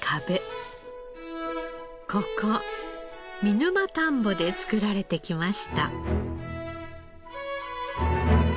ここ見沼たんぼで作られてきました。